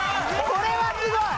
これはすごい！